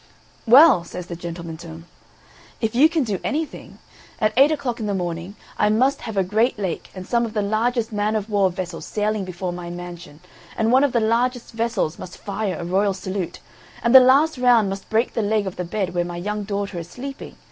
"Well," says the gentleman to him, "if you can do anything, at eight o'clock in the morning I must have a great lake and some of the largest man of war vessels sailing before my mansion, and one of the largest vessels must fire a royal salute, and the last round must break the leg of the bed where my young daughter is sleeping.